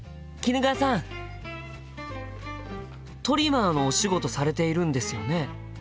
トリマーのお仕事されているんですよね？